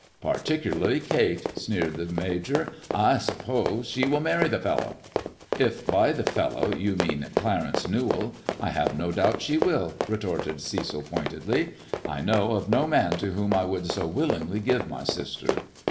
"Particularly Kate," sneered the Major. "I suppose she will marry the fellow." If by the fellow you mean Clarence Newall, I have no doubt she will," retorted Cecil, pointedly. I know of no man to whom I would so willingly give my sister."